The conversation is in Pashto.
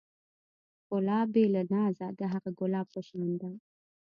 ښکلا بې له نازه د هغه ګلاب په شان ده.